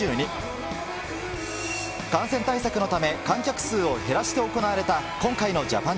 感染対策のため、観客数を減らして行われた今回のＪＡＰＡＮＪＡＭ。